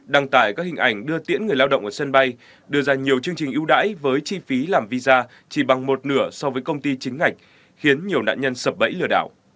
đăng tải các hình ảnh đưa tiễn người lao động ở sân bay đưa ra nhiều chương trình ưu đãi với chi phí làm visa chỉ bằng một nửa so với công ty chính ngạch khiến nhiều nạn nhân sập bẫy lừa đảo